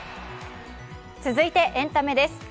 続いてエンタメです。